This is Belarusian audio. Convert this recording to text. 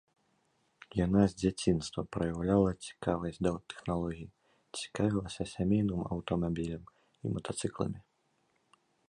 Яна з дзяцінства праяўляла цікавасць да тэхналогій, цікавілася сямейным аўтамабілем і матацыкламі.